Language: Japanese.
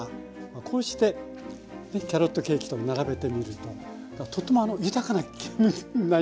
こうしてキャロットケーキと並べてみるととても豊かな気分になりますよね。